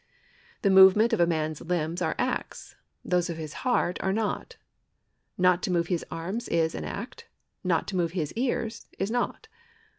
The movements of a man's limbs are acts ; those of his heart are not. Not to move his arms is an act ; not to move his ears is not.